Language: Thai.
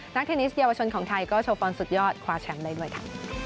เทนนิสเยาวชนของไทยก็โชว์ฟอร์นสุดยอดคว้าแชมป์ได้ด้วยค่ะ